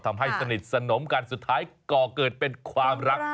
ทำให้สนิทสนมกันสุดท้ายก่อเกิดเป็นความรัก